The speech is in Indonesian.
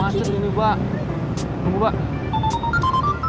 macet ini mbak